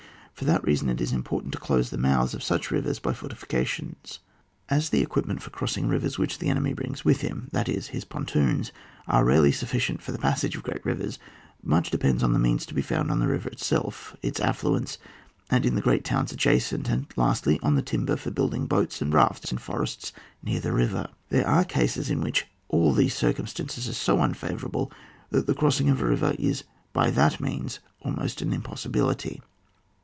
For that reason it is im portant to close the mouths of such rivers by fortifications. As the equipment for crossing rivers which an enemy brings with him, that is his pontoons, are rarely sufficient for the passage of great rivers, much depends on the means to be found on the river itself, its affluents, and in the great towns adjacent, and lastly, on the timber for building boats and rafts in forests near the river. There are cases in which all these circumstances are so unfavourable, that the crossing of a river is hy that means almost an im possibility.